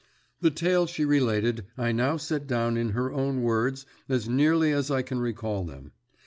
The tale she related I now set down in her own words as nearly as I can recall them.